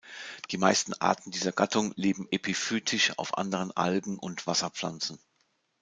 Die meisten Arten dieser Gattung leben epiphytisch auf anderen Algen und Wasserpflanzen.